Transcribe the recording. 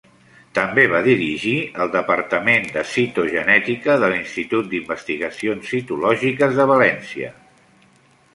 També va dirigir el Departament de Citogenètica de l'Institut d'Investigacions Citològiques de València.